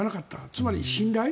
つまり信頼。